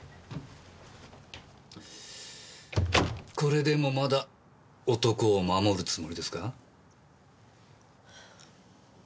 これでもまだ男を守るつもりですか？